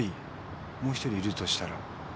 もう１人いるとしたら？